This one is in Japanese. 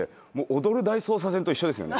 『踊る大捜査線』と一緒ですよね。